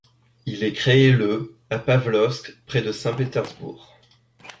Il est créé le à Pavlovsk près de Saint-Pétersbourg.